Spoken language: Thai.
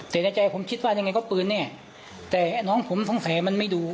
แต่ในใจผมคิดว่ายังไงก็ปืนแน่แต่น้องผมสงสัยมันไม่ดู